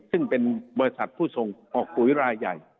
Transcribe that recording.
ซึ่งเป็นบริษัทผู้ส่งออกปุ๋ยรายใหญ่